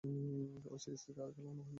ঐ সিরিজে তাকে আর খেলানো হয়নি।